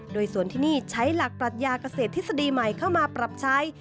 โดยสวนที่นี่ใช้หลักปรัชญาเกษตรทฤษฎีใหม่เข้ามาปรับใช้